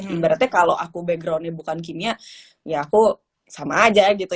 ibaratnya kalau aku backgroundnya bukan kimia ya aku sama aja gitu